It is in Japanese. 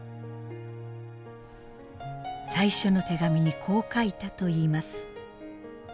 最初の手紙にこう書いたといいます。